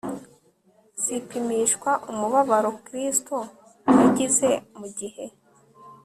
zipimishwa umubabaro Kristo yagize mu gihe